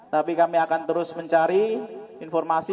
tapi kami akan terus mencari informasi